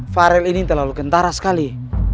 farel ini terlalu kentara sekali